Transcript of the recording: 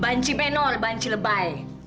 banci menor banci lebay